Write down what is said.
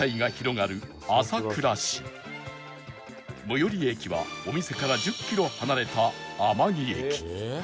最寄り駅はお店から１０キロ離れた甘木駅